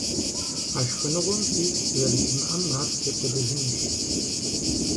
А шхыныгъуэм пищӀ зэрыщымыӀэм ар текӀуэдэжынущ.